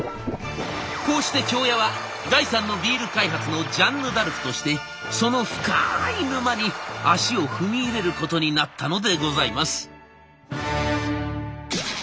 こうして京谷は第三のビール開発のジャンヌ・ダルクとしてその深い沼に足を踏み入れることになったのでございます。